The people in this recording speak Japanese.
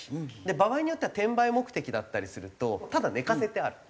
場合によっては転売目的だったりするとただ寝かせてある。